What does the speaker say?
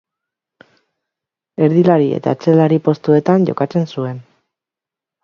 Erdilari eta atzelari postuetan jokatzen zuen.